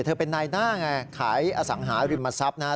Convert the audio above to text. เธอเป็นนายหน้าไงขายอสังหาริมทรัพย์นะครับ